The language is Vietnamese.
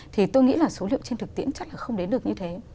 thì tôi nghĩ là số liệu trên thực tiễn chắc là không đến được như thế